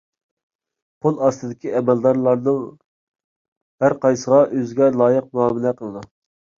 قول ئاستىدىكى ئەمەلدارلارنىڭ ھەر قايسىسىغا ئۆزىگە لايىق مۇئامىلە قىلىدۇ.